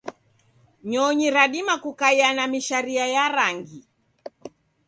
Nyonyi radima kukaia na misharia ya rangi.